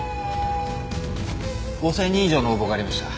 ５０００人以上の応募がありました。